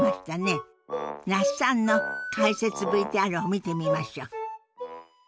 那須さんの解説ＶＴＲを見てみましょう。